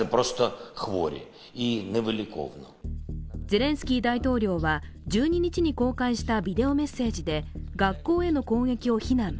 ゼレンスキー大統領は１２日に公開したビデオメッセージで学校への攻撃を非難。